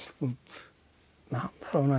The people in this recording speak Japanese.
何だろうな